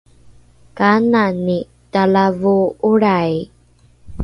kanani talavoo’olrai?